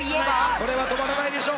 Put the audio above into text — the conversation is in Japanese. これは止まらないでしょう。